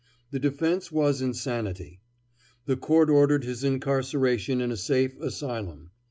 The defense was insanity. The court ordered his incarceration in a safe asylum.